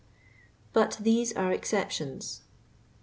"Birr THESE ARE EXCEPTIONS.'